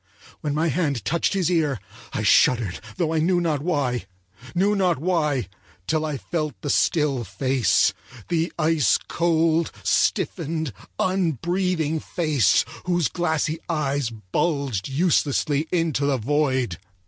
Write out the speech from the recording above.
When my hand touched his ear I shuddered, though I knew not why—knew not why till I felt the still face; the ice cold, stiffened, unbreathing face whose glassy eyes bulged uselessly into the void.